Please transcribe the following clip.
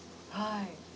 はい。